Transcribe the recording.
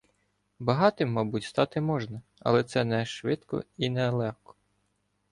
Багатим, мабуть, стати можна, але це НЕ швидко і НЕ легко